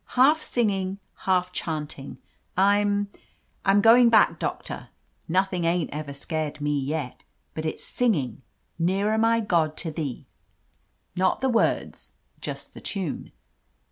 "Half singing, half chanting. I — ^I'm go ing back. Doctor. Nothing ain't ever scared me yet. But — it's singing 'Nearer, my God, to Thee' — ^not the words. Just the tune."